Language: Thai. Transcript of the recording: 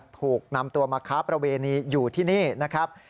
ถูกนำตัวมาค้าประเวณีอยู่ที่นี่นะครับ